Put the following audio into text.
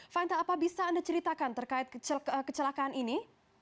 fainta apa bisa anda ceritakan terkait kecelakaan ini